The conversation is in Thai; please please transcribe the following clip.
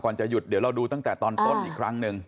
จะหยุดเดี๋ยวเราดูตั้งแต่ตอนต้นอีกครั้งหนึ่ง